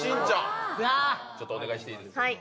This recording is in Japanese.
ちょっとお願いしていいですか？